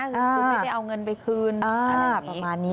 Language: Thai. คิดไม่ได้เอาเงินไปคืนอะไรแบบนี้